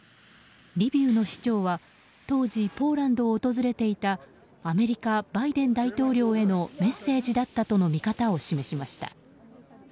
リビウの市長は当時、ポーランドを訪れていたアメリカ、バイデン大統領へのメッセージだったとの見方を示しました。